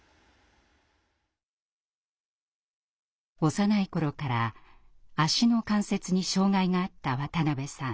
幼い頃から足の関節に障害があった渡邊さん。